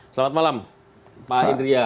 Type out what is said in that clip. selamat malam pak indria